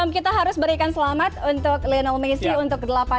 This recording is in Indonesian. kita harus berikan selamat untuk lionel messi untuk ke delapan